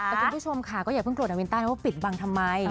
แต่คุณผู้ชมค่ะก็อย่าเพิโรธนาวินต้านะว่าปิดบังทำไม